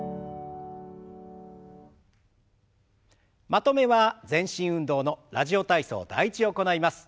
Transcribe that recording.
まとめは全身運動の「ラジオ体操第１」を行います。